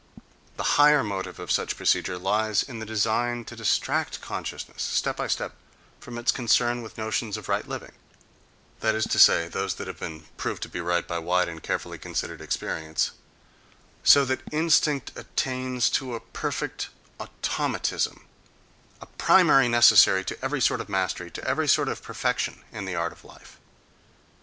—The higher motive of such procedure lies in the design to distract consciousness, step by step, from its concern with notions of right living (that is to say, those that have been proved to be right by wide and carefully considered experience), so that instinct attains to a perfect automatism—a primary necessity to every sort of mastery, to every sort of perfection in the art of life.